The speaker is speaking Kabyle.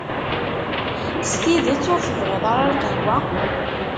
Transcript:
S tidet ur tebɣiḍ ara lqahwa?